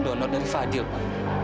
donor dari fadil pak